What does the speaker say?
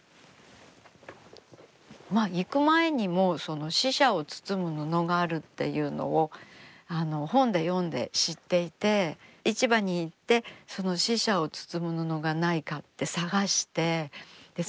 行く前にもう死者を包む布があるっていうのを本で読んで知っていて市場に行ってその死者を包む布がないかって探してそ